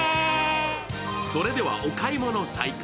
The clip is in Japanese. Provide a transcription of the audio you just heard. それではお買い物再開。